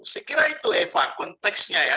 saya kira itu eva konteksnya ya